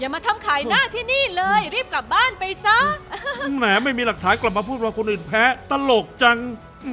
มาทำขายหน้าที่นี่เลยรีบกลับบ้านไปซะแหมไม่มีหลักฐานกลับมาพูดว่าคนอื่นแพ้ตลกจัง